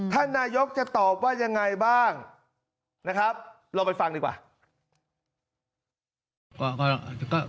ท่านนายกจะตอบว่ายังไงบ้างเราไปฟังดีกว่า